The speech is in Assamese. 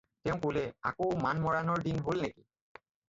তেওঁ ক'লে- "আকৌ মান-মৰাণৰ দিন হ'ল নেকি?"